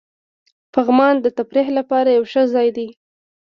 پغمان د تفریح لپاره یو ښه ځای دی.